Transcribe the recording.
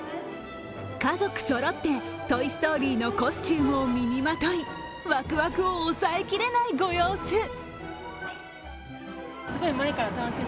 家族そろって「トイ・ストーリー」のコスチュームを身にまとい、ワクワクを抑え切れないご様子。